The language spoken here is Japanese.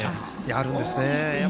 あるんですね。